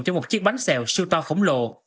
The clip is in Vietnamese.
cho một chiếc bánh xèo siêu to khổng lồ